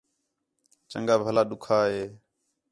چَنڳا بَھلا ݙُکّھا ہے